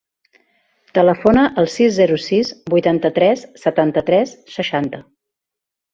Telefona al sis, zero, sis, vuitanta-tres, setanta-tres, seixanta.